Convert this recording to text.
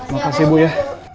makasih abu ya